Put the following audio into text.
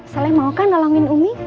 saling mau kan nolongin umi